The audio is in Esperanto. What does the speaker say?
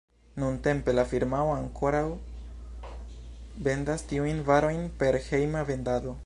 Nuntempe la firmao ankoraŭ vendas tiujn varojn per hejma vendado.